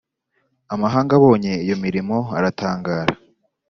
amahanga abonye iyo mirimo aratangara